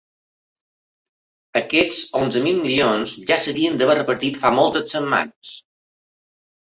Aquests onzen mil milions ja s’havien d’haver repartit fa moltes setmanes.